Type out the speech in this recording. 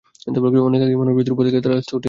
অনেক আগেই মানবজাতির উপর থেকে তার আস্থা উঠে গেছে।